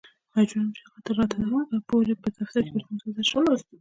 مجبور وم چې د هغې تر راتګ پورې په دفتر کې ورته منتظر شم.